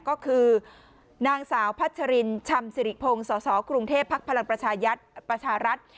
ก็คือนางสาวพัชรินชำสิริพงศ์สอกรุงเทพฯพักพลังประชารัฐ